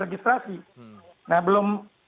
registrasi nah belum